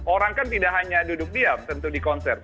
orang kan tidak hanya duduk diam tentu di konser